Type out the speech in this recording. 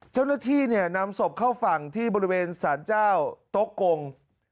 เจ้าหน้าที่นำศพเข้าฝั่งที่บริเวณสารเจ้าโต๊ะกง